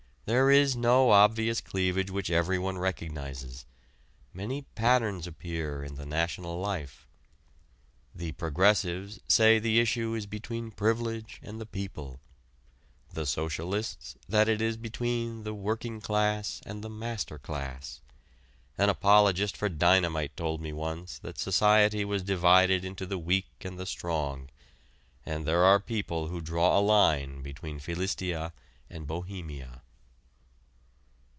There is no obvious cleavage which everyone recognizes. Many patterns appear in the national life. The "progressives" say the issue is between "Privilege" and the "People"; the Socialists, that it is between the "working class" and the "master class." An apologist for dynamite told me once that society was divided into the weak and the strong, and there are people who draw a line between Philistia and Bohemia.